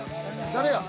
誰や？